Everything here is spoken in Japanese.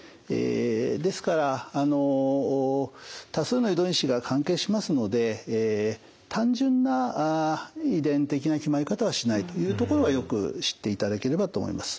ですから多数の遺伝子が関係しますので単純な遺伝的な決まり方はしないというところはよく知っていただければと思います。